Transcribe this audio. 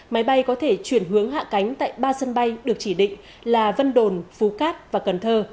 máy bay có thể chuyển hướng hạ cánh tại ba sân bay được chỉ định là vân đồn phú cát và cần thơ